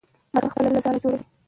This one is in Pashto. مرغه خپله ځاله جوړوي.